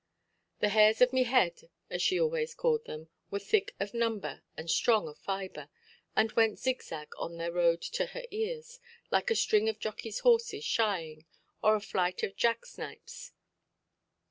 "The hairs of me head", as she always called them, were thick of number and strong of fibre, and went zig–zag on their road to her ears, like a string of jockeyʼs horses shying, or a flight of jack–snipes.